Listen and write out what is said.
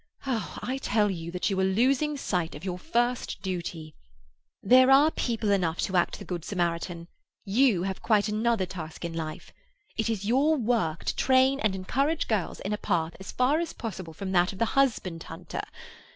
Oh, I tell you that you are losing sight of your first duty. There are people enough to act the good Samaritan; you have quite another task in life. It is your work to train and encourage girls in a path as far as possible from that of the husband hunter.